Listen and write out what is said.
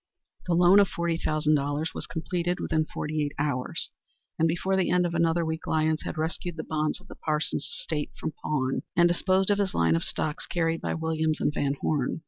The loan of $40,000 was completed within forty eight hours, and before the end of another week Lyons had rescued the bonds of the Parsons estate from pawn, and disposed of his line of stocks carried by Williams & Van Horne.